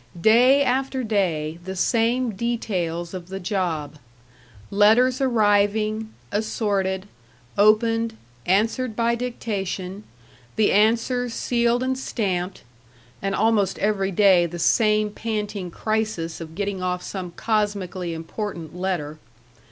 § 2 Day after day the same details of the job: letters arriving, assorted, opened, answered by dictation, the answers sealed and stamped (and almost every day the same panting crisis of getting off some cosmically important letter)....